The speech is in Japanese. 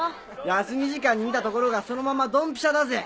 休み時間に見た所がそのままドンピシャだぜ。